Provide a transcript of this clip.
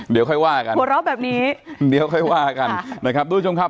เดี๋ยวค่อยว่ากันหัวเราะแบบนี้เดี๋ยวค่อยว่ากันนะครับทุกผู้ชมครับ